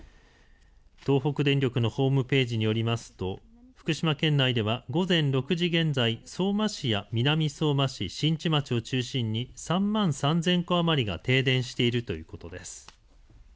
東北電力のホームページによりますと福島県内では午前６時現在、相馬市や南相馬市、新地町を中心に３万３０００戸余りが停電しているということです。